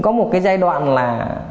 có một cái giai đoạn là